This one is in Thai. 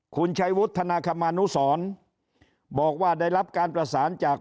คุณชัยวุฒนาคมานุสรบอกว่าได้รับการประสานจาก